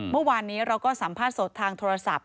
เมื่อวานนี้เราก็สัมภาษณ์สดทางโทรศัพท์